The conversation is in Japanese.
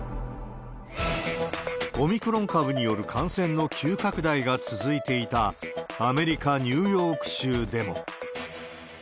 オミクロン株による感染の急拡大が続いていたアメリカ・ニューヨーク州でも。